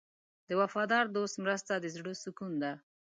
د وفادار دوست مرسته د زړه سکون ده.